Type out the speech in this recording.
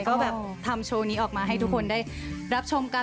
ก็แบบทำโชว์นี้ออกมาให้ทุกคนได้รับชมกัน